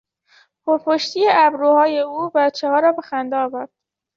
پرپشتی ابروهای او بچهها را به خنده آورد.